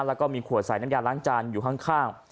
แล้วก็มีขวดใส่น้ำยาล้างจานอยู่ข้าง